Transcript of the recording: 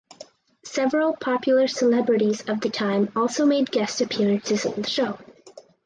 Several popular celebrities of the time also made guest appearances on the show.